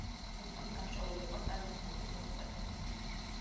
ეს ტომი გამსჭვალული იყო სტალინის კულტის სულისკვეთებით.